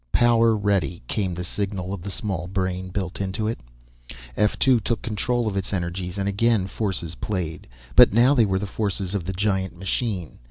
"Power ready," came the signal of the small brain built into it. F 2 took control of its energies and again forces played, but now they were the forces of the giant machine.